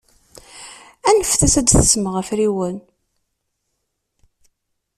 Anfet-as ad d-tessemɣi afriwen.